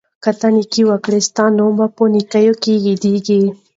که ته نېکي وکړې، ستا نوم به په نېکۍ یادیږي.